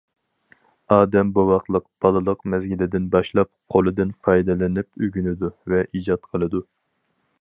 ئادەم بوۋاقلىق، بالىلىق مەزگىلىدىن باشلاپ، قولىدىن پايدىلىنىپ ئۆگىنىدۇ ۋە ئىجاد قىلىدۇ.